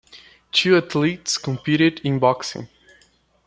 Two athletes competed in boxing.